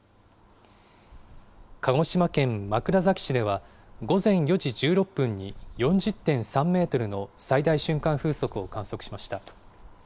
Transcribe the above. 鹿児島県枕崎市では、午前４時１６分に４０．３メートルの最大瞬間風速を観測しました。